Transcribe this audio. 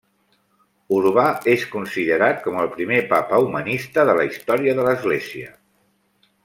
Urbà és considerat com el primer Papa humanista de la història de l'Església.